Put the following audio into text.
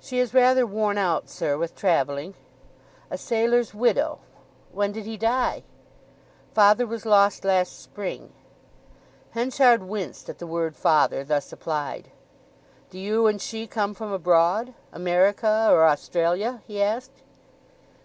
"She is rather worn out, sir, with travelling." "A sailor's widow—when did he die?" "Father was lost last spring." Henchard winced at the word "father," thus applied. "Do you and she come from abroad—America or Australia?" he asked.